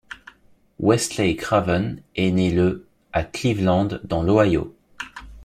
Wesley Craven est né le à Cleveland dans l'Ohio.